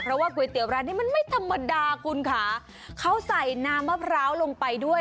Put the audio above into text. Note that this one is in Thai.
เพราะว่าก๋วยเตี๋ยวร้านนี้มันไม่ธรรมดาคุณค่ะเขาใส่น้ำมะพร้าวลงไปด้วย